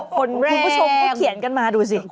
คุณผู้ชมเขาเขียนกันมาดูสิ